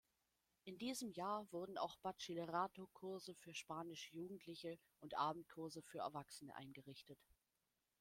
In diesem Jahr wurden auch Bachillerato-Kurse für spanische Jugendliche und Abendkurse für Erwachsene eingerichtet.